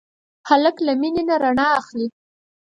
هلک له مینې نه رڼا اخلي.